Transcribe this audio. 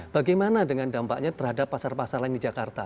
bagaimana dengan dampaknya terhadap pasar pasar lain di jakarta